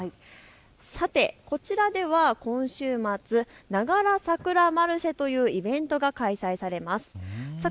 さてこちらで今週末ながらさくらマルシェというイベントが開催されます。